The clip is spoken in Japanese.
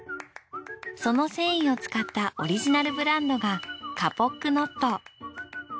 その繊維を使ったオリジナルブランドがカポックノット。